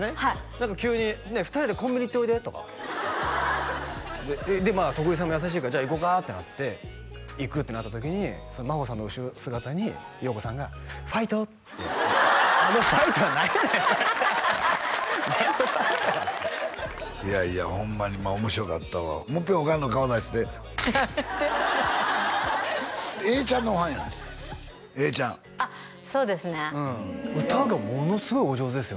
何か急に「ねえ２人でコンビニ行っておいで」とかで徳井さんも優しいから「じゃあ行こうか」ってなって行くってなった時に真帆さんの後ろ姿によう子さんが「ファイト！」って「あのファイトは何やねん！」「何のファイトや！」いやいやホンマに面白かったわもっぺんおかんの顔出してやめて永ちゃんのファンやねん永ちゃんあっそうですね歌がものすごいお上手ですよね